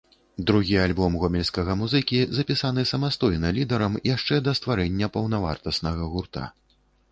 Другі альбом гомельскага музыкі, запісаны самастойна лідарам, яшчэ да стварэння паўнавартаснага гурта.